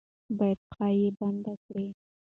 با ید پښه یې بنده کړي.